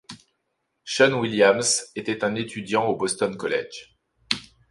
Sean Williams était un étudiant au Boston College.